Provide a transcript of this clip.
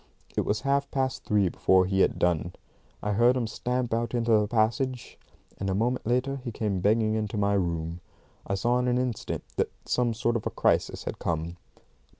It was half past three before he had done. I heard him stamp out into the passage, and a moment later he came banging into my room. I saw in an instant that some sort of a crisis had come.